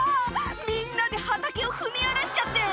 みんなで畑を踏み荒らしちゃって！